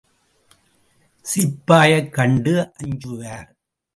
சிப்பாயை கண்டு அஞ்சுவார்.